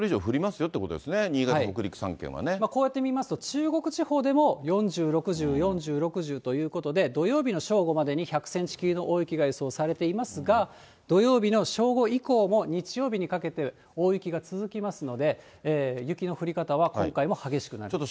よってことですね、新潟、こうやって見ますと、中国地方でも４０・６０、４０・６０ということで、土曜日の正午までに１００センチ級の大雪が予想されていますが、土曜日の正午以降も、日曜日にかけて大雪が続きますので、雪の降り方は今回も激しくなると。